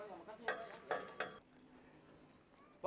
nah ada foto ya